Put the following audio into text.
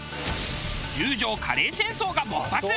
十条カレー戦争が勃発！